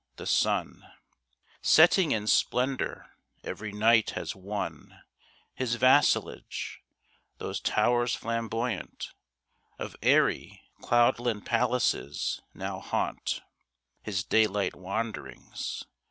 The sun Setting in splendour every night has won His vassalage; those towers flamboyant Of airy cloudland palaces now haunt His daylight wanderings.